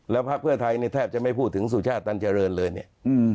แล้วพักเพื่อไทยเนี่ยแทบจะไม่พูดถึงสุชาติตันเจริญเลยเนี่ย